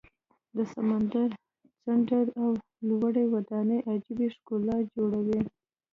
د سمندر څنډه او لوړې ودانۍ عجیبه ښکلا جوړوي.